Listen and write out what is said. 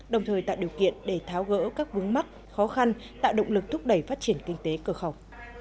đồng thời tạo điều kiện để tháo gỡ các vướng mắc khó khăn tạo động lực thúc đẩy phát triển kinh tế cửa khẩu